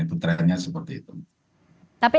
itu trennya seperti itu tapi